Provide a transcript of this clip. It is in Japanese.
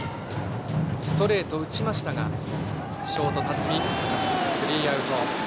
ストレートを打ちましたがショート辰己さばいてスリーアウト。